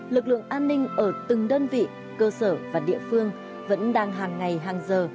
lực lượng an ninh ở từng đơn vị cơ sở và địa phương vẫn đang hàng ngày hàng giờ